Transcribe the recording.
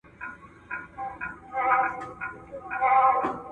څنګه وزن له لاسه ورکولای شو؟